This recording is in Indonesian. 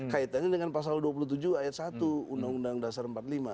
kaitannya dengan pasal dua puluh tujuh ayat satu undang undang dasar empat puluh lima